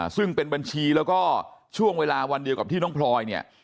ซึ่งเป็นบัญชีแล้วก็ช่วงเวลาวันเดียวกับที่น้องพลอยเนี่ย